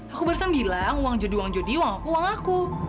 aku barusan bilang uang jodi uang jodi uang aku uang aku